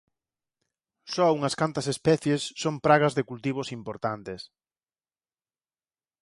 Só unhas cantas especies son pragas de cultivos importantes.